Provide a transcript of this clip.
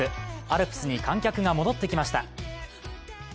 アルプスに観客が戻ってきました。